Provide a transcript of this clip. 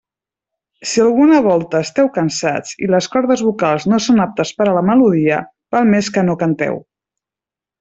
Si alguna volta esteu cansats i les cordes vocals no són aptes per a la melodia, val més que no canteu.